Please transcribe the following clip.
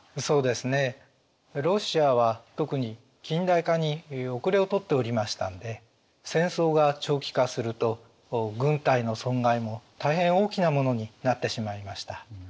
そうですねロシアは特に近代化に後れを取っておりましたんで戦争が長期化すると軍隊の損害も大変大きなものになってしまいました。